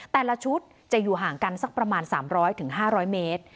แต่ละชุดจะอยู่ห่างกันสักประมาณ๓๐๐๕๐๐เมตร